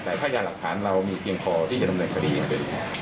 แต่พยาหลักฐานเรามีเพียงพอที่จะดำเนินคดีอย่างเดียว